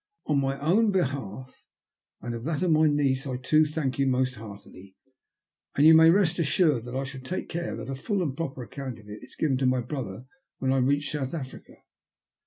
''On my own behalf and that of my niece I, too, thank you most heartily ; and you may rest assured I shall take care that a full and proper account of it is given my brother when I reach South Africa."